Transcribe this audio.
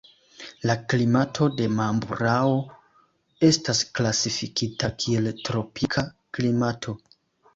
La klimato de Mamburao estas klasifikita kiel tropika klimato.